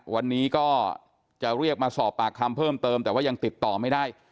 วันนี้ก็จะเรียกมาสอบปากคำเพิ่มเติมแต่ว่ายังติดต่อไม่ได้